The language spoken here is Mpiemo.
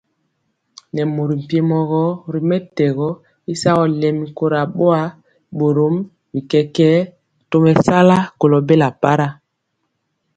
Nɛ mori mpiemɔ gɔ ri mɛtɛgɔ y sagɔ lɛmi kora boa, borom bi kɛkɛɛ tomesala kolo bela para.